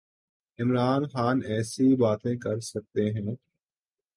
عمران خان ایسی باتیں کر سکتے ہیں۔